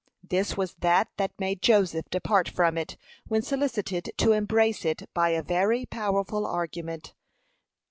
This was that that made Joseph depart from it, when solicited to embrace it by a very powerful argument.